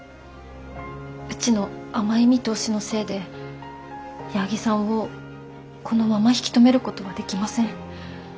うちの甘い見通しのせいで矢作さんをこのまま引き止めることはできません。